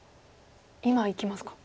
今いきますか。